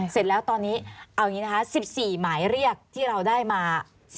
เสร็จแล้วตอนนี้เอาอย่างนี้นะคะ๑๔หมายเรียกที่เราได้มา